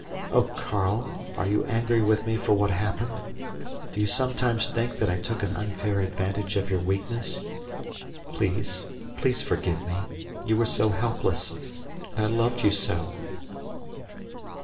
Oh, Karl, are you angry with me for what happened? Do you sometimes think that I took an unfair advantage of your weakness? Please! Please forgive me, you were so helpless, and I loved you so.